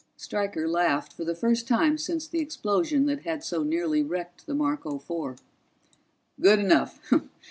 Stryker laughed for the first time since the explosion that had so nearly wrecked the Marco Four. "Good enough.